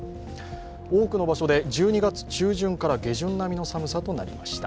多くの場所で１２月中旬から下旬並みの寒さとなりました。